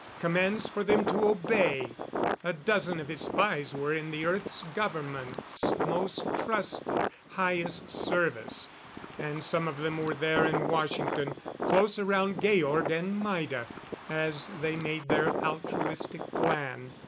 Commands for them to obey. A dozen of his spies were in the Earth government's most trusted, highest service and some of them were there in Washington, close around Georg and Maida as they made their altruistic plan.